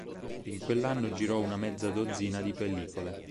In quell'anno, girò una mezza dozzina di pellicole.